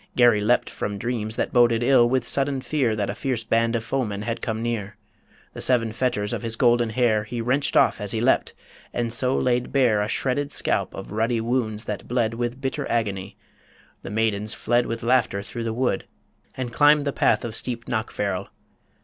Garry leapt From dreams that boded ill, with sudden fear That a fierce band of foemen had come near The seven fetters of his golden hair He wrenched off as he leapt, and so laid bare A shredded scalp of ruddy wounds that bled With bitter agony ... The maidens fled With laughter through the wood, and climb'd the path Of steep Knockfarrel.